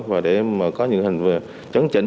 và để có những hình chấn chỉnh